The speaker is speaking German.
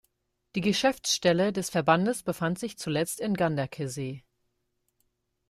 Die Geschäftsstelle des Verbandes befand sich zuletzt in Ganderkesee.